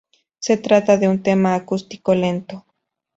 Se trata de un tema acústico lento.